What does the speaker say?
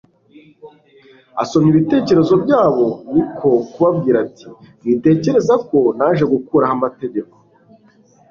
Asomye ibitekerezo byabo niko kubabwira ati: «Mwitekereza ko naje gukuraho amategeko